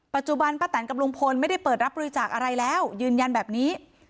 ปัจจุบันป้าแตนกับลุงพลไม่ได้เปิดรับบริจาคอะไรแล้วยืนยันแบบนี้